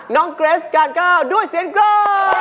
น้องเกรสการ์ดเกล้าด้วยเสียงกรอบ